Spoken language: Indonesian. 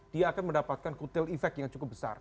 dia akan mendapatkan kutil efek yang cukup besar